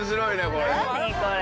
これ。